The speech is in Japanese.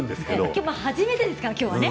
今日初めてですからね。